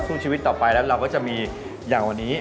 สู้ชีวิตต่อไปแล้วเราก็จะมีอย่างวันนี้